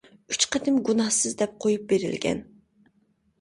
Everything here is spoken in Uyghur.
ئۈچ قېتىم گۇناھسىز دەپ قويۇپ بېرىلگەن.